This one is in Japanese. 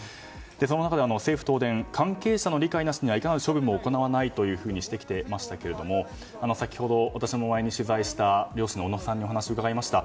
その中で、政府や東電関係者の理解なしにはいかなる処分も行わないとしてきましたが先ほど、私も取材をした漁師の小野さんにお話を伺いました。